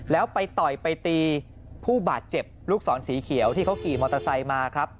แล้วไปต่อยไปตีผู้บาดเจ็บลูกศรสีเขียวที่เขาขี่มอเตอร์ไซค์มาครับ